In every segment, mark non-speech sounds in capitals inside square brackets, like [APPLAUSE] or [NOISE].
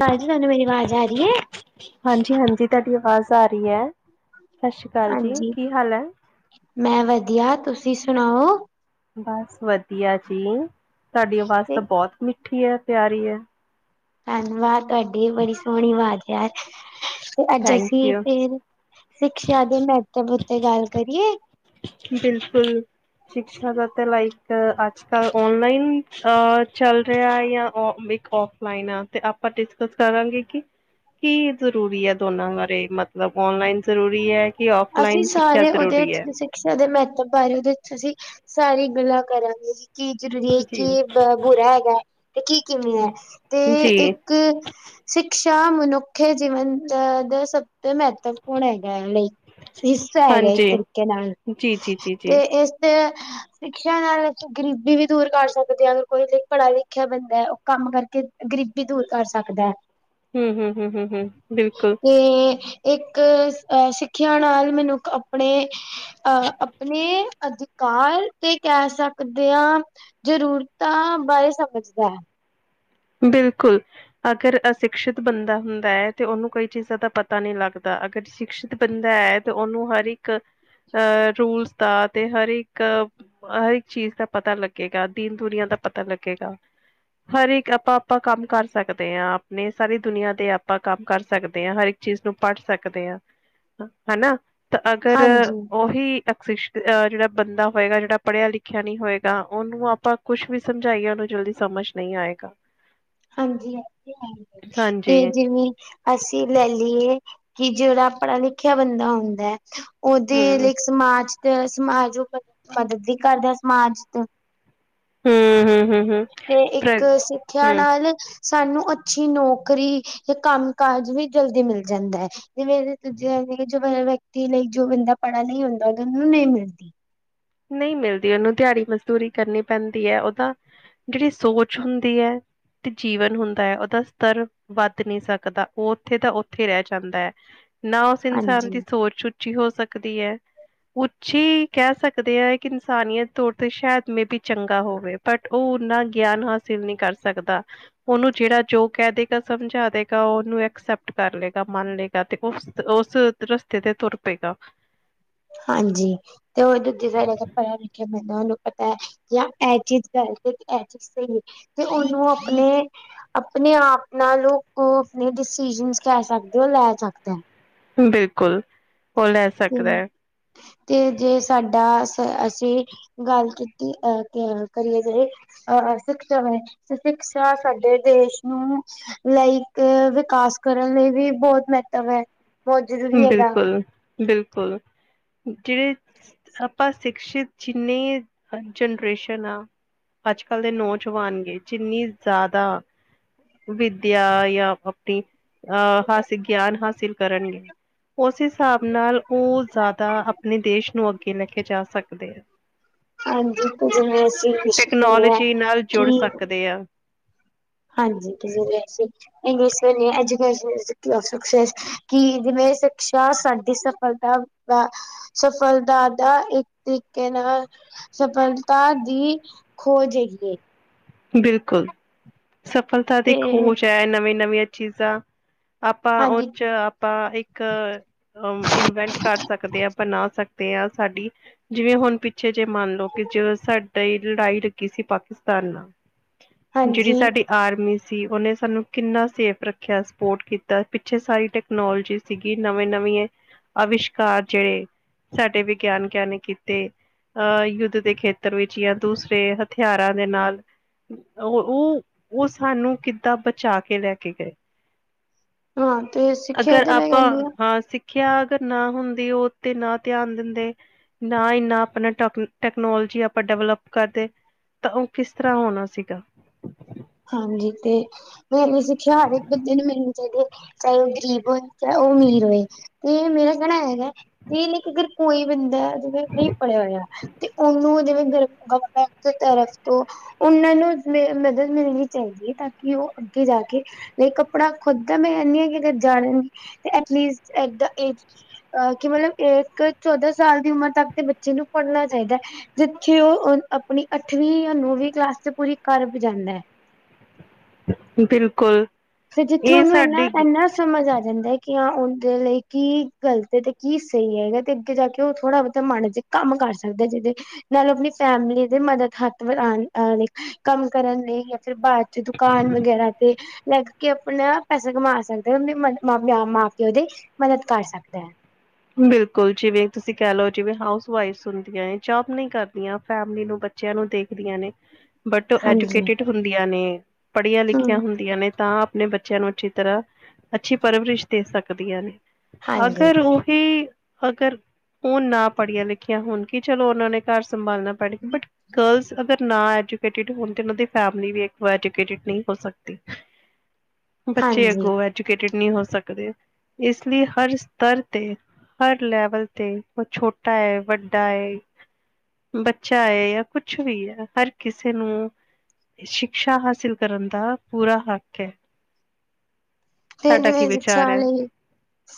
ਹੈਂਜੀ ਤਾਨੂੰ ਮੇਰੀ ਵਾਜ ਆ ਰੀ ਐ? ਹਾਂਜੀ ਹਾਂਜੀ। ਤਾਡੀ ਆਵਾਜ਼ ਆ ਰੀ ਐ। ਸਤਿ ਸ੍ਰੀ ਅਕਾਲ ਜੀ। ਹਾਂਜੀ, ਕੀ ਹਾਲ ਐ? ਮੈਂ ਵਧੀਆ। ਤੁਸੀ ਸੁਣਾਓ? ਬਸ ਵਧੀਆ ਜੀ। ਤਾਡੀ ਵਾਜ਼ ਤੇ ਤਾਂ ਬੋਤ ਮਿੱਠੀ ਐ। ਪਿਆਰੀ ਐ। ਧੰਨਵਾਦ। ਤਾਡੀ ਬੜੀ ਸੋਣੀ ਵਾਜ਼ ਐ। ਤੇ ਅੱਜ ਥੈਂਕ ਅਸੀ ਯੂ ਫੇਰ ਸ਼ਿਕਸ਼ਾ ਦੇ ਮੈਤਵ ਉਤੇ ਗੱਲ ਕਰੀਏ? ਬਿਲਕੁੱਲ। ਸ਼ਿਕਸ਼ਾ ਦਾ ਤਾਂ ਲਾਈਕ ਅੱਜ ਕੱਲ ਔਨਲਾਈਨ ਅ ਚੱਲ ਰੇਆ ਐ ਯਾ ਓ ਮਿਕ ਓ ਲਾਈਨਾ ਤੇ ਆਪਾਂ ਡਿਸਕਸ ਕਰਾਂਗੇ ਕਿ ਕੀ ਜ਼ਰੂਰੀ ਐ ਦੋਨਾਂ ਬਾਰੇ ਮਤਲੱਬ ਔਨਲਾਈਨ ਜ਼ਰੂਰੀ ਐ। ਯਾ ਅਸੀਂ ਔਫਲਾਈਨ ਸਿੱਖਿਆ ਸਾਰੇ ਉਹਦੇ ਜ਼ਰੂਰੀ ਐ? ਸਿਕਸ਼ਾ ਦੇ ਮੈਤੱਵ ਬਾਰੇ ਓਦੇ ਚ ਅਸੀ ਸਾਰੀ ਗੱਲਾਂ ਕਰਾਂਗੇ ਜੀ। ਕੀ ਜਰੂਰੀ ਐ, ਜੀ-ਜੀ ਕੀ ਬ ਬੁਰਾ ਹੈਗਾ ਐ, ਤੇ ਕੀ ਕਿਵੇਂ ਐ, ਤੇ ਇੱਕ ਕੀ ਸਿਕਸ਼ਾ ਮਨੁੱਖੇ ਜੀਵਨ ਅ ਦਾ ਸਭ ਤੋਂ ਮੈਤਵਪੂਰਨ ਹੈਗਾ ਲਈ। ਹਿੱਸਾ ਹੈਗਾ ਇਕ ਹਾਂਜੀ ਤਰੀਕੇ ਨਾਲ। ਤੇ ਜੀ-ਜੀ-ਜੀ-ਜੀ ਏਸ ਤੇ ਸ਼ਿਕਸ਼ਾ ਨਾਲ। ਗਰੀਬੀ ਵੀ ਦੂਰ ਕਰ ਸਕਦੇ ਆ। ਅਗਰ ਕੋਈ ਪੜੇਆ ਲਿਖੇਆ ਬੰਦਾ ਐ। ਓ ਕੰਮ ਕਰਕੇ ਗਰੀਬ ਵੀ ਦੂਰ ਕਰ ਸਕਦਾ ਐ। ਹੂੰ ਹੂੰ ਹੂੰ ਹੂੰ ਹੂੰ। ਬਿਲਕੁਲ। ਤੇ ਇਏਕ ਅ ਸਿੱਖਿਆ ਨਾਲ ਮੈਨੂੰ ਅਪਣੇ ਅ ਅਪਨੇ ਅਧਕਾਰ ਤੇ ਕੈ ਸਕਦੇ ਆਂ ਜਰੂਰਤਾਂ ਬਾਰੇ ਸਮਝਦਾ ਐ। ਬਿਲਕੁਲ। ਅਗਰ ਅਸ਼ਿਕਸ਼ਿਤ ਬੰਦਾ ਹੁੰਦਾ ਐ ਤੇ ਓਨੂੰ ਕੋਈ ਚੀਜਾਂ ਦਾ ਪਤਾ ਨਹੂ ਲੱਗਦਾ। ਅਗਰ ਸ਼ਿਕਸ਼ਿਤ ਬੰਦਾ ਐ ਤੇ ਓਨੂੰ ਹਰ ਇੱਕ ਅ ਰੂਲਸ ਦਾ ਤੇ ਹਰ ਇੱਕ ਹਰ ਇੱਕ ਚੀਜ ਦਾ ਪਤਾ ਲੱਗੇਗਾ। ਦੀਨ ਦੁਨੀਆ ਦਾ ਪਤਾ ਲੱਗੇਗਾ। ਹਰ ਇੱਕ ਆਪਾਂ ਕੰਮ ਕਰ ਸਕਦੇ ਆਂ। ਅਪਨੇ ਸਾਰੀ ਦੁਨੀਆ ਦੇ ਆਪਾਂ ਕੰਮ ਕਰ ਸਕਦੇ ਆਂ। ਹਰ ਚੀਜ਼ ਨੂੰ ਪੜ ਸਕਦੇ ਆਂ। ਹਨਾ ਤੇ ਅਗਰ ਹਾਂਜੀ ਓਹੀ ਅ ਜੇੜਾ ਬੰਦਾ ਹੋਏਗਾ। ਜੇੜਾ ਪੜੇਆ ਲਿਖੇਆ ਨੀ ਹੋਏਗਾ। ਓਨੂੰ ਆਪਾਂ ਕੁਛ ਵੀ ਸਮਝਾਈਏ ਓਨੂੰ ਜਲਦੀ ਸਮਝ ਨਈ ਆਏਗਾ। ਹਾਂਜੀ। ਏ ਤੇ ਹੈਈਐ। ਤੇ ਹਾਂਜੀ। ਜਿਵੇਂ ਅਸੀ ਲੈ ਲਈਏ ਕਿ ਜੇੜਾ ਪੜਾ ਲਿਖੇਆ ਬੰਦਾ ਹੁੰਦਾ ਐ ਓਦੇ ਹੂੰ, ਲਈਕ ਸਮਾਜ ਤੇ ਸਮਾਜ ਓ ਮਦਦ ਵੀ ਕਰਦਾ ਸਮਾਜ ਤ। ਹੂੰ ਹੂੰ ਹੂੰ। ਤੇ ਪ੍ਰ ਇੱਕ ਸਿੱਖਿਆ ਹੂੰ ਨਾਲ ਸਾਨੂੰ ਅੱਛੀ ਨੌਕਰੀ ਯਾ ਕੰਮ-ਕਾਜ ਵੀ ਜਲਦੀ ਮਿਲ ਜਾਂਦਾ ਐ। ਜਿਵੇ ਜਿਵੇ ਜੋ ਵਿਅਕਤੀ ਨਈ ਜੋ ਬੰਦਾ ਪੜ੍ਹਾ ਨੀ ਹੁੰਦਾ ਓਨੂੰ ਨਈ ਮਿਲਦੀ। ਨਈ ਮਿਲਦੀ ਓਨੂੰ ਦਿਆੜੀ-ਮਜ਼ਦੂਰੀ ਕਰਨੀ ਪੈਂਦੀ ਐ ਓ ਤਾਂ ਜੇੜੀ ਸੋਚ ਹੁੰਦੀ ਐ, ਤੇ ਜੀਵਨ ਹੁੰਦਾ ਐ ਓਦਾ ਸਤ੍ਰ। ਵੱਧ ਨਈ ਸਕਦਾ, ਓਥੇ ਦਾ ਓਥੇ ਰੈਹ ਜਾਂਦੈ। ਨਾ ਓਸ ਇਨਸਾਨ ਹਾਂਜੀ ਦੀ ਸੋਚ ਉੱਚੀ ਹੋ ਸਕਦੀ ਐ। ਉੱਚੀ ਕੇਹ ਸ ਸਕਦੇ ਐ ਕਿ, ਇਨਸਾਨੀਅਤ ਤੌਰ ਤੇ ਸ਼ਾਏਦ ਮੇ ਬੀ ਚੰਗਾ ਹੋਵੇ। ਬਟ ਓ ਓਨਾ ਗੇਆਨ ਹਾ ਹਾਸਿਲ ਨਈਂ ਕਰ ਸਕਦਾ। ਓਨੂੰ ਜੇੜਾ, ਜੋ ਕੇਹ ਦੇਗਾ ਸਮਝਾ ਦੇਗਾ, ਓਨੂੰ ਐਕਸੈਪਟ ਕਰ ਲਏਗਾ, ਮੰਨ ਲਏ ਤੇ, ਓਸ-ਓਸ ਰਸਤੇ ਤੇ ਤੁਰ ਪਏਗਾ। ਹਾਂਜੀ। ਤੇ ਓ ਦੂਜੇ ਸਾਈਡ, ਜੇੜਾ ਪੜੇਆ-ਲਿਖੇਆ ਬੰਦਾ ਓਨੂੰ ਪਤਾ ਕਿ ਐ ਚੀਜ ਗਲਤ ਤੇ ਐ ਸਈ ਏ, ਤੇ ਓਨੂੰ ਆਪਨੇ। ਆਪਨੇ ਆਪ ਨਾਲ ਲੋਕ ਆਪਣੇ ਡਿਸੀਜਨਸ ਕੇਹ ਸਕਦੇ ਓ ਲੈ ਸਕਦੈ। ਬਿਲਕੁਲ ਓ ਲੈ ਸਕਦਾ ਹੈ ਤੇ ਜੇ, ਸਾਡਾ ਅ ਅਸੀ ਗੱਲ ਕੀਤੀ, ਅਹ ਕਰੀਏ ਜੇ ਅਹ ਸਿਕਸ਼ਾ ਵੇ, ਤੇ ਸਿਕਸ਼ਾ ਸਾਡੇ ਦੇਸ਼ ਨੂੰ ਲਾਈਕ ਵਿਕਾਸ ਕਰਨ ਲਈ ਵੀ ਬੌਤ ਮਹੱਤਵ ਐ। ਬਿਲਕੁਲ- ਬਿਲਕੁਲ, ਕੇਹੜੇ ਆਪਾਂ ਸਿਕਸ਼ਿਤ ਜਿੰਨੀ ਜਨਰੇਸ਼ਨ ਆਂ ਅੱਜ-ਕੱਲ ਦੇ, ਨੌਜਵਾਨ ਗੇ ਜਿੰਨੀ ਜਾਦਾ ਵਿਦੇਆ ਯਾ ਆਪਣੀ ਅਹ ਹਾਸੇਲ, ਗੇਆਨ ਹਾਸੇਲ ਕਰਨਗੇ। ਓਸ ਹੇਸਾਬ ਨਾਲ, ਓ ਜਾਦਾ ਆਪਨੇ ਦੇਸ਼ ਨੂੰ ਅੱਗੇ ਲੈ ਕੇ ਜਾ ਸਕਦੇ ਐ। ਹਾਂਜੀ ਤੇ ਜਿਵੇਂ ਅਸੀਂ ਵਿਸ਼ ਕਹਿੰਦੇ ਹਾਂ ਟੈਕਨੋਲਜੀ ਨਾਲ ਜੁੜ ਕਿ ਸਕਦੇ ਐ। ਹਾਂਜੀ, ਕੀ ਹੋਏਆ ਸੀ? [UNINTELLIGIBLE] ਜਿਵੇਂ ਸਿਕਸ਼ਾ ਸਾਡੀ ਸਫਲਤਾ ਸਫਲਤਾ ਦਾ ਇੱਕ ਤਰੀਕੇ ਨਾਲ ਸਫਲਤਾ ਦੀ ਖੋਜ ਹੈਗੀ ਏ। ਬਿਲਕੁਲ, ਸਫਲਤਾ ਦੀ ਤੇ ਖੋਜ ਐ, ਨਵੀਆਂ-ਨਵੀਆਂ ਚੀਜ਼ਾਂ ਆਪਾਂ ਓ ਹਾਂਜੀ 'ਚ ਆਪਾਂ ਇੱਕ ਅ ਇਨਵੈਂਟ ਕਰ ਸਕਦੇ ਆਂ ਬਣਾ ਸਕਦੇ ਆ ਸਾਡੀ ਜਿਵੇਂ ਹੁਨ ਪਿੱਛੇ ਜੇ ਮੰਨ ਲਓ, ਕਿ ਜ ਸਾਡੀ ਲੜਾਈ ਲੱਗੀ ਸੀ ਪਾਕਿਸਤਾਨ ਨਾਲ ਜੇੜੀ ਹਾਂਜੀ ਸਾਡੀ ਆਰਮੀ ਸੀ, ਓਨੇ ਸਾਨੂੰ ਕਿੰਨਾ ਸੇਫ ਰੱਖੇਆ, ਸਪੋਟ ਕੀਤਾ, ਪਿਛੇ ਸਾਰੀ ਟੈ ਟਕਨੋਲਜੀ ਸੀਗੀ ਨਵੇਂ ਨਵੀ ਅਵਿਸ਼ਕਾਰ ਜੇਹੜੇ ਸਾਡੇ ਵੀਗੇਆਨਕਾਂ ਨੇ ਕੀਤੇ। ਅ, ਯੁੱਧ ਦੇ ਖੇਤਰ ਵਿੱਚ ਜਾਂ ਦੂਸਰੇ ਹਥੇਆਰਾਂ ਦੇ ਨਾਲ ਓ- ਓ, ਸਾਨੂੰ ਕਿੱਦਾਂ ਬਚਾ ਕੇ ਲੈ ਕੇ ਗਏ? ਹਾਂ ਤੇ ਸਿੱਖਿਆ ਅਗਰ, ਤੇ ਮੈਂ ਆਪਾਂ ਕਹਿੰਦੀ ਆ ਹਾਂ ਸਿੱ ਸਿੱਖੇਆ ਅਗਰ ਨਾ ਹੁੰਦੀ ਓ ਤੇ ਨਾ ਧੇਆਨ ਦੇਂਦੇ ਨਾ ਇੰਨਾ, ਆਪਨਾ ਟਕ ਟਕਨੋਲਜੀ ਆਪਾਂ ਡੈਵਲਪ ਕਰਦੇ ਤਾਂ, ਓ ਕਿਸ ਤਰਾਂ ਹੋਨਾ ਸੀ ਸੀਗਾ। ਹਾਂਜੀ, ਤੇ [UNINTELLIGIBLE] ਸਿੱਖੇਆ ਹਰ ਇੱਕ ਬੰਦੇ ਨੂੰ ਮਿਲਨੀ ਚਾਈਦੀ ਐ, ਚਾਏ ਓ ਗਰੀਬ ਹੋਏ। ਚਾਏ ਓ, ਅਮੀਰ ਹੋਏ ਤੇ ਮੇਰਾ ਕੇਣਾ ਹੈਗਾ। ਏ ਨਈ ਕਿ, ਅਗਰ ਕੋਈ ਬੰਦਾ ਜਿਵੇਂ ਨਈਂ ਪੜੇਆ ਹੋਏਆ ਤੇ ਓਨੂੰ ਜਿਵੇਂ ਗਵਰਮੈਂਟ ਦੀ ਤਰਫ ਤੋਂ ਓਨਾਂ ਨੂੰ ਮਿਲਨੀ ਚਾਈਦੀ ਐ ਤਾਂ, ਕਿ ਓ ਅੱਗੇ ਜਾ ਕੇ ਲ ਕੱਪੜਾ ਖੁਦ ਦਾ ਮੈਂ ਆਨੀ ਆ ਕਿ ਜਾਣ ਤੇ ਐਟਲੀਸ ਏਦਾ‌ ਏਜ ਕੀ ਅਹ ਕਿ ਮਤਲਬ ਇੱਕ, ਚੌਦਾਂ ਸਾਲ ਦੀ ਉਮਰ ਤੱਕ ਦੇ ਬੱਚੇ ਨੂੰ ਪੜ੍ਹਨਾ ਚਾਹੀਦਾ ਜਿੱਥੇ ਉਹ ਆਪਣੀ ਅੱਠਵੀਂ, ਜਾਂ ਨੋਵੀਂ ਕਲਾਸ ਚ, ਪੂਰੀ ਕਰ ਵੀ ਜਾਂਦਾ ਬਿਲਕੁਲ ਫਿਰ ਜਿੱਥੇ ਇਹ ਉਹਨੂੰ, ਇੰਨਾ ਸਾਡੀ -ਇਨਾ ਸਮਝ ਆ ਜਾਂਦਾ ਹੈ ਕਿ, ਹਾਂ ਉਹਦੇ ਲਈ ਕੀ ਗਲਤ ਹੈ, ਤੇ ਕੀ ਸਹੀ ਹੈਗਾ, ਤੇ ਅੱਗੇ ਜਾ ਕੇ ਉਹ ਥੋੜ੍ਹਾ ਬ ਤੇ ਮਨ ਚ ਕੰਮ, ਕਰ ਸਕਦਾ ਜਿਹਦੇ ਨਾਲੇ ਆਪਣੀ ਫੈਮਲੀ ਦੇ ਮਦਦ, ਹੱਥ ਵਡਾਉਣ ਕੰਮ ਕਰਨ, ਲਈ ਜਾਂ ਫਿਰ ਬਾਅਦ ਜੇ ਦੁਕਾਨ ਵਗੈਰਾ, ਤੇ ਲੇਗ ਕਿ ਆਪਣਾ ਪੈਸਾ ਕਮਾ ਸਕਦਾ, ਆਪਣੇ ਮਾਂ -ਪਿਓ ਦੀ ਮਦਦ ਕਰ ਸਕਦਾ ਬਿਲਕੁਲ ਜਿਵੇਂ ਤੁਸੀਂ ਕਹਿ ਲਓ, ਜਿਵੇਂ ਹਾਊਸ ਵਾ ਵਾਈਫ ਹੁੰਦੀਆਂ, ਜੋਬ ਨਹੀਂ ਕਰਦੀਆਂ ਫੈਮਿਲੀ ਨੂੰ ਚੱਲੋ ਨੂੰ ਦੇਖਦੀਆਂ ਨੇ ਬਟ ਹਾਂਜੀ ਐਜੂਕੇਟਿਡ ਹੁੰਦੀਆਂ ਨੇ, ਪੜ੍ਹੀਆਂ ਲਿਖੀਆਂ ਹਮ ਹੁੰਦੀਆਂ ਨੇ ਤਾਂ ਆਪਣੇ ਬੱਚਿਆਂ ਨੂੰ, ਅੱਛੀ ਤਰ੍ਹਾਂ ਅੱਛੀ ਪਰਵਰਿਸ਼ ਦੇ ਸਕਦੀਆਂ ਨੇ, ਹਾਂਜੀ ਅਗਰ ਉਹ ਕਿ ਅਗਰ, ਉਹ ਨਾ ਪੜ੍ਹੀਆਂ ਲਿਖੀਆਂ ਹੋਣ ਕੀ, ਚਲੋ ਉਹਨਾਂ ਨੇ ਘਰ ਸੰਭਾਲਣਾ ਪੜਕ ਬਟ, ਗਰਲਸ ਅਗਰ ਨਾ ਐਜੂਕੇਟਿਡ ਹੋਣ, ਤੇ ਉਨ੍ਹਾਂ ਦੀ ਫੈਮਿਲੀ ਵੀ ਵੇਖੋ ਐਜੂਕੇਟਿਡ ਨਹੀਂ ਹੋ ਸਕਦੀ ਬੱਚੇ ਹਾਂਜੀ ਅੱਗੋਂ, ਐਜੂਕੇਟਿਡ ਨਹੀਂ ਹੋ ਸਕਦੇ, ਇਸ ਲਈ ਹਰ ਸਤਰ ਹਰ ਲੈਵਲ ਤੇ, ਉਹ ਛੋਟਾ ਏ, ਵੱਡਾ ਏ ਬੱਚਾ ਹੈ, ਜਾਂ ਕੁਛ ਵੀ ਏ, ਹਰ ਕਿਸੇ ਨੂੰ ਸ਼ਿਕਸ਼ਾ, ਹਾਸਿਲ ਕਰਨ ਦਾ, ਪੂਰਾ ਹੱਕ ਐ ਫੇਸ ਕੀ ਵੇਸ ਵਿਚਾਰ ਹੈ? ਚਾਲੀ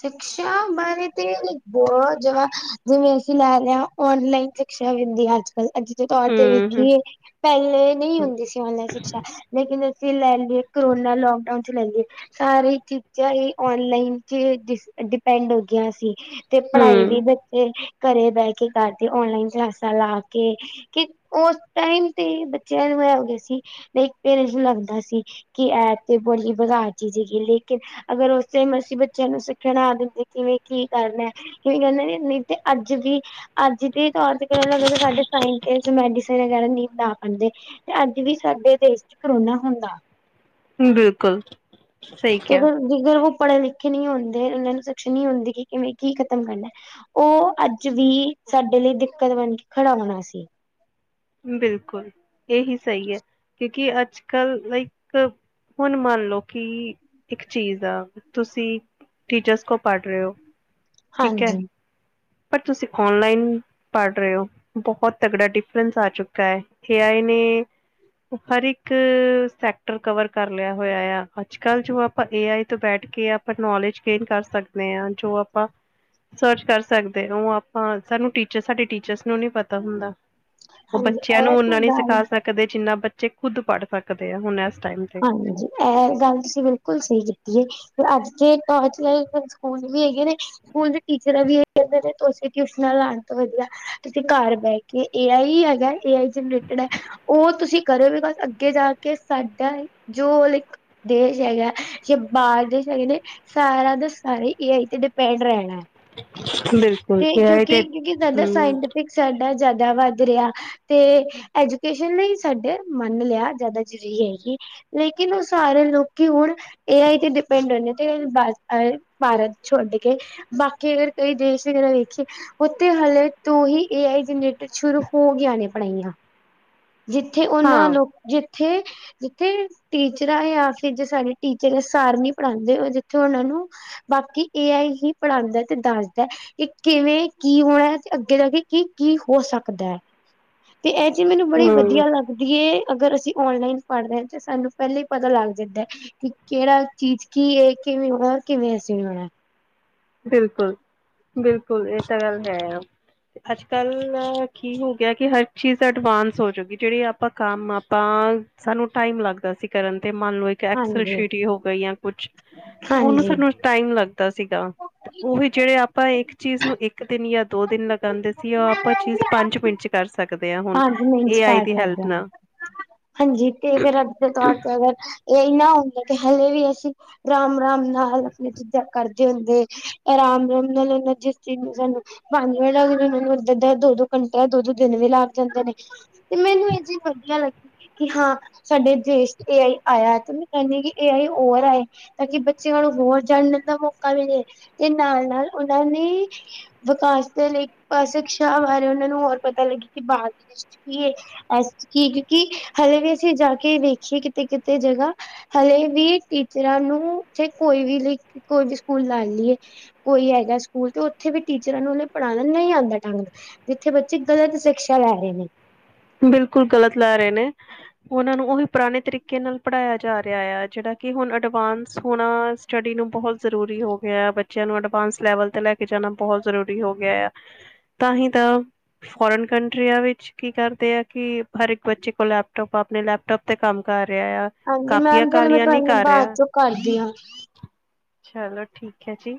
ਸ਼ਿਕਸ਼ਾਰੇ ਤੇ ਬਹੁਤ ਜਵਾ, ਜਿਵੇਂ ਅਸੀਂ ਲੈ ਲਿਆ ਔਨਲਾਈਨ ਸ਼ਿਕਸ਼ਾ ਹੁੰਦੀ ਏ, ਅੱਜ -ਕੱਲ ਅੱਜ ਦੇ, ਤੌਰ ਤੇ ਹੂੰ, ਹੂੰ, ਵੇਖੀਏ ਪਹਿਲੇ ਨਹੀਂ, ਹੁੰਦੀ ਸੀ ਔਨਲਾਈਨ ਸ਼ਿਕਸ਼ਾ ਲੇਕਿਨ ਅਸੀ ਲੈ ਲਈਏ ਕਰੋਨਾ, ਲੋਕ ਡਾਊਨ ਚ ਲਈਏ ਸਾਰੇ ਚੀਜ਼ਾਂ ਓਨਲਾਈਨ ਚ ਡਿਪੈਂਡ ਹੋ, ਗਈਆਂ ਸੀ। ਤੇ ਪੜ੍ਹਾਈ ਵੀ ਹੂੰ ਬੱਚੇ ਘਰੇ ਬਹਿ ਕੇ, ਕਰਦੇ ਔਨਲਾਈਨ, ਕਲਾਸਾਂ ਲਾ ਕੇ ਕਿ ਉਸ ਟਾਈਮ ਤੇ ਬੱਚਿਆਂ ਨੂੰ ਨਵਉਂਦੇ ਸੀ ਇੱਕ ਪੇਰੈਂਟਸ ਨੂੰ ਲੱਗਦਾ ਸੀ। ਕੀ ਐ ਤੇ ਬੋਲੀ ਵਿਗਾੜ ਜੀ -ਜੀ ਜੀ ਲੇਕਿਨ ਅਗਰ ਉਸ ਟਾਈਮ ਅਸੀਂ ਬੱਚਿਆਂ ਨੂੰ ਸਿੱਖਆ ਨਾ ਦਿੰਦੇ, ਕਿਵੇਂ ਕੀ ਕਰਨਾ ਕਈ ਕਹਿੰਦੇ ਨੇ, ਨਹੀਂ ਤੇ ਅੱਜ ਦੀ ਅੱਜ ਦੇ ਤੌਰ ਤੇ, [INAUDIBLE] ਹ ਲੱਗ ਸਾਡੇ ਸਾਇ ਮੈਡੀ ਵਗ ਹਾਂਜੀ, ਤੇ ਅੱਜ ਵੀ ਸਾਡੇ ਦੇਸ਼ ਚ ਕਰੋਨਾ ਹੁੰਦਾ ਬਿਲਕੁਲ ਸਹੀ ਤੇ ਕਿਹਾ। ਜੇਕਰ ਉਹ ਪੜ੍ਹੇ ਲਿਖੇ ਨਹੀਂ ਹੁੰਦੇ, ਉਹਨਾਂ ਨੂੰ ਸਖਸ਼ ਨਹੀਂ ਹੁੰਦੀ ਕਿ ਕਿਵੇਂ, ਕੀ ਖ਼ਤਮ ਕਰਨਾ ਉਹ ਅੱਜ ਵੀ, ਸਾਡੇ ਲਈ ਦਿੱਕਤ ਬਣ ਕੇ, ਖੜਾ ਹੋਣਾ ਸੀ। ਬਿਲਕੁਲ, ਇਹ ਹੀ ਸਹੀ ਹੈ ਕਿਉਂਕਿ, ਅੱਜ -ਕੱਲ ਲਾਈਕ ਹੁਣ ਮੰਨ ਲਓ ਕਿ, ਇੱਕ ਚੀਜ਼ ਆ, ਤੁਸੀਂ ਟੀਚਰਸ ਕੋਲ, ਪੜ੍ਹ ਰਹੇ ਹੋ ਠੀਕ ਹੈ ਹਾਂਜੀ। ਪਰ ਤੁਸੀਂ ਔਨਲਾਈਨ ਪੜ੍ਹ ਰਹੇ ਹੋ, ਬਹੁਤ ਤਗੜਾ ਡਿਫਰੈਂਸ ਆ ਚੁੱਕਾ ਕਿਆ ਨਈ ਹਰ ਇੱਕ, ਸੈਕਟਰ ਕਵਰ ਕਰ ਲਿਆ ਹੋਇਆ ਆ, ਅੱਜ -ਕੱਲ ਜੋ ਆਪਾਂ ਏ -ਆਈ ਤੋਂ ਬੈਠ ਕੇ ਆਪਾਂ ਨੋਲੇਜ ਗੇਨ ਕਰ ਸਕਦੇ ਆਂ, ਜੋ ਆਪਾਂ ਸਰਚ ਕਰ ਸਕਦੇ ਉਹ ਆਪਾਂ, ਸਾਨੂੰ ਟੀਚਰ ਸਾਡੇ ਟੀਚਰਸ, ਨੂੰ ਨਹੀਂ ਪਤਾ ਹੁੰਦਾ -ਹੁੰਦਾ ਉਹ ਹਾਂਜੀ ਬੱਚਿਆਂ ਇਹ ਨੂੰ ਤੇ ਉਨ੍ਹਾਂ ਨਈ, ਗੱਲ ਸਿਖਾ ਸਕ ਕਦੇ ਜਿੰਨਾ ਬੱਚੇ, ਖੁੱਦ ਪੜ੍ਹ ਸਕਦੇ ਆ, ਹੁਣ ਐਸ ਟਾਈਮ ਤੇ ਹਾਂਜੀ ਐ ਗੱਲ ਤੁਸੀਂ ਬਿਲਕੁਲ ਸਈ ਕੀਤੀ ਏ। ਫੇਰ ਅੱਜ ਦੇ ਟਰਚੈ ਸਕੂਲ ਵੀ ਹੈਗੇ ਨੇ ਸਕੂਲ ਦੇ ਟੀਚਰਾਂ ਵੀ ਏ ਕੈੰਦੇ ਨੇ ਤੁਸੀਂ ਟਿਊਸ਼ਨਾਂ ਲਾਣ ਤੋਂ ਵਧੀਆ ਤੁਸੀਂ ਕਰ ਬੈ‌ ਕੇ ਏ‌ ਆਈ ਈ ਹੈਗਾ ਏ ਏ ਆਈ ਜਨਰੇਟਡ ਐ ਓ ਤੁਸੀਂ ਕਰੋ ਬਿਕਾ ਅੱਗੇ ਜਾ ਕੇ ਸਾਡਾ ਜੋ ਲਾਈਕ ਦੇਸ਼ ਹੈਗਾ ਜੋ ਬਾਰ ਦੇਸ਼ ਹੈਗੇ ਨੇ ਸਾਰਾ ਦੇ ਸਾਰੇ ਏ ਆਈ ਤੇ ਡਿਪੈੈਂਡ ਰੈਣਾ ਬਿਲਕੁਲ ਤੇ ਇਹ ਆਈ ਤੇ ਕਿਉਂਕਿ, ਕਿਉਂਕਿ ਸਾਡਾ ਹੂੰ ਸਾਈਨ ਦਾ ਸਾਡਾ ਜ਼ਿਆਦਾ ਵੱਧ ਰੇਆ ਤੇ ਐਜੂਕੇਸ਼ਨ ਵੀ ਸਾਡਾ ਮੰਨ ਲਯਾ ਜਾਦਾ ਜਰੀ ਹੈਗੀ ਲੇਕਿਨ ਓ ਸਾਰੇ ਲੋਕੀ ਹੁਣ ਏ ਆਏ ਤੇ ਡਿਪੈਂਡ ਰੋਏ ਨੇ ਤੇ ਏ ਅ ਭਾਰਤ ਛੋਡ ਕੇ ਬਾਕੀ ਅਗਰ ਕੋਈ ਦੇਸ਼ ਵਗੈਰਾ ਵੇਖੀਏ ਓੱਥੇ ਹੱਲੇ ਤੋਂ ਹੀ ਏ ਆਈ ਜਨਰੇਟਡ ਸ਼ੁਰੂ ਹੋ ਗਿਆਂ ਨੇ ਪੜ੍ਹਾਈਆਂ। ਜਿੱਥੇ ਓਨਾਂ ਹਾਂ ਲੋਕ ਜਿੱਥੇ-ਜਿੱਥੇ ਟੀਚਰਾਂ ਯਾਂ ਫਿਰ ਜੇ ਸਾਡੇ ਟੀਚਰ ਆ ਸਾਰ ਨੀ ਪੜ੍ਹਾਂਦੇ ਓ ਜਿੱਥੇ ਓਨਾਂ ਨੂੰ ਬਾਕੀ ਏ ਆਈ ਹੀ ਪੜ੍ਹਾਂਦਾ ਤੇ ਦਾੱਸਦਾ ਕਿ ਕਿਵੇਂ ਕੀ ਹੋਯਾ ਤੇ ਅੱਗੇ ਦਾ ਵੀ ਕੀ-ਕੀ ਹੋ ਸਕਦਾ। ਤੇ ਏ ਚੀਜ ਮੈਨੂੰ ਬੜੀ ਹੂੰ ਵਧੀਆ ਲੱਗਦੀ ਏ ਅਗਰ ਅਸੀਂ ਔਨਲਾਈਨ ਪੜ੍ਹਦੇ ਤੇ ਸਾਨੂੰ ਪੈਲਾਂ ਈ ਪਤਾ ਲੱਗ ਜਾਂਦਾ ਕਿ ਕੇੜਾ ਚੀਜ਼ ਕੀ ਏ ਕਿਵੇਂ ਹੋਣਾ ਕਿਵੇਂ ਅਸੀਂ ਹੋਣਾ ਬਿਲਕੁਲ-ਬਿਲਕੁਲ ਏ ਤਾਂ ਗੱਲ ਹੈ। ਅੱਜ-ਕੱਲ ਕੀ ਹੋ ਗਿਆ ਕਿ ਹਰ ਚੀਜ਼ ਅਡਵਾਂਸ ਹੋਜੂਗੀ ਜੇੜੀ ਆਪਾਂ ਕੰਮ ਆਪਾਂ ਸਾਨੂੰ ਟਾਈਮ ਲੱਗਦਾ ਸੀ ਕਰਨ ਤੇ ਮੰਨ ਲਓ ਇੱਕ ਐਕਸਲ ਹਾਂਜੀ ਸ਼ੀਟ ਈ ਹੋ ਗਈ ਜਾਂ ਕੁਛ ਓਨੂੰ ਹਾਂਜੀ ਸਾਨੂੰ ਟਾਈਮ ਲੱਗਦਾ ਸੀਗਾ ਓਵੀ ਜੇੜੇ ਆਪਾਂ ਇੱਕ ਚੀਜ਼ ਨੂੰ ਇੱਕ ਇੱਕ ਦਿਨ ਯਾਂ ਦੋ ਦਿਨ ਲਗਾਂਦੇ ਸੀ ਓ ਆਪਾਂ ਚੀਜ਼ ਪੰਜ ਮਿੰਟ ਚ ਕਰ ਸਕਦ ਪੰਜ ਮਿੰਟ ਚ ਕਰ ਸਕਦੇ ਆਂ ਹਾਂਜੀ ਤੇ ਫਿਰ ਅੱਜ ਦੇ ਤੌਰ ਤੇ ਅਗਰ ਏ ਆਈ ਨਿ ਹੁੰਦਾ ਤੇ ਹਲੇ ਵੀ ਅਸੀਂ ਰਾਮ-ਰਾਮ ਨਾਲ ਆਪਣੀ ਚੀਜ਼ਾਂ ਕਰ ਦੇ ਹੁੰਦੇ ਅਰਾਮ-ਰਾਮ ਨਾਲ ਏ ਜਿਸ ਚੀਜ਼ ਨੂੰ ਸਾਨੂੰ ਪੰਜ ਮਿੰਟ ਲਗਦੇ ਨੇ ਦੋ-ਦੋ ਘੰਟੇ ਦੋ-ਦੋ ਦਿਨ ਵੀ ਲੱਗ ਜਾਂਦੇ ਨੇ, ਤੇ ਮੈਨੂੰ ਅੇ ਚੀਜ ਵਧੀਆ ਲੱਗੀ ਕਿ ਹਾਂ ਸਾਡੇ ਦੇਸ਼ ਚ ਏ ਆਈ ਆਇਆ, ਤੇ ਮੈਂ ਕੈਨੀ ਆ ਕਿ ਏ ਆਈ ਔਰ ਆਏ। ਤਾਂ ਕਿ ਬੱਚਿਆਂ ਨੂੰ ਹੋਰ ਜਾਣਨ ਦਾ ਮੌਕਾ ਮਿਲੇ, ਤੇ ਨਾਲ-ਨਾਲ ਓਨਾਂ ਦੀ ਵਿਕਾਸ ਦੇ ਲਈ ਪਾਸਿਕ ਸ਼ਾਹ ਵਾਰੇ ਓਨਾਂ ਨੂੰ ਹੋਰ ਪਤਾ ਲੱਗੇ ਕਿ ਬਾਹਰ ਦੇ ਦੇਸ਼ ਕੀ‌ ਏ, ਕੀ ਕਿਉਂਕਿ ਹਲੇੇ ਵੀ ਅਸੀਂ ਜਾ ਕੇ ਵੇਖੀਏ ਕਿਤੇ-ਕਿਤੇ ਜਗ੍ਹਾ ਹਲੇੇ ਵੀ ਟੀਚਰਾਂ ਨੂੰ ਤੇੇ ਕੋਈ ਵੀ ਲ, ਕੋਈ ਵੀ ਸਕੂਲ ਲਾ ਲੀਏ। ਕੋਈ ਹੈਗਾ ਸਕੂਲ ਤੇ, ਓਥੇ ਵੀ ਟੀਚਰਾਂ ਨੂੰ ਓਨੇ ਪੜ੍ਹਾਣਾ ਨਈ ਆਂਦਾ ਢੰਗ ਨਾ ਜਿੱਥੇ ਬੱਚੇ ਗ਼ਲਤ ਸ਼ਿਕਸ਼ਾ ਲੈ ਰੇ ਨੇ। ਬਿਲਕੁਲ ਗ਼ਲਤ ਲੈ ਰੇ ਨੇ। ਓਨਾਂ ਨੂੰ ਓਵੀ ਪਰਾਣੇ ਤਰੀਕੇ ਨਾਲ ਪੜ੍ਹਾਇਆ ਜਾ ਰਿਆ, ਆ ਜੇੜਾ ਕਿ ਹੁਣ ਅਡਵਾਂਸ ਹੋਣਾ ਸਟੱਡੀ ਨੂੰ ਬੋਹਤ ਜ਼ਰੂਰੀ ਹੋ ਗਿਆ ਆ, ਬੱਚਿਆਂ ਨੂੰ ਅਡਵਾਂਸ ਲੈਵਲ ਤੇ ਲੈ ਕੇ ਜਾਣਾ ਬੋਹਤ ਜ਼ਰੂਰੀ ਹੋ ਗਿਆ ਆ। ਤਾਂ ਹੀ ਤਾਂ, ਫੋਰਨ ਕੰਟਰੀਆਂ ਵਿੱਚ ਕੀ ਕਰ ਦੇ ਅੇ ਕਿ, ਹਰ ਇੱਕ ਬੱਚੇ ਕੋਲ ਲੈਪਟੋਪ ਆਪਣੇ ਲੈਪਟੋਪ ਤੇ ਕੰਮ ਕਰ ਰੇਇ ਆ, ਹਾਂਜੀ ਕਾਪੀਆਂ ਮੈਮ ਚਲੋ ਮੈਂ ਕਾਲੀਆਂ ਨੀ ਤੁਹਾਨੂੰ ਕਰ ਬਾਅਦ ਰੇਆ। ਚੋਂ ਕਰਦੀ ਹਾਂ। ਚਲੋ ਠੀਕ ਅੇ ਜੀ।